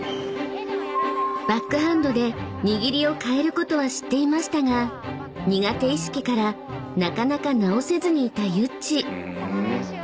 ［バックハンドで握りを変えることは知っていましたが苦手意識からなかなか直せずにいたユッチ］